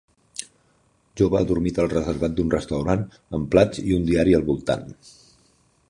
jove adormit al reservat d'un restaurant amb plats i un diari al voltant.